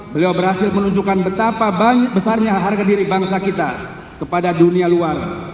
beliau berhasil menunjukkan betapa besarnya harga diri bangsa kita kepada dunia luar